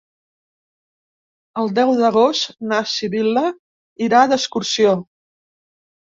El deu d'agost na Sibil·la irà d'excursió.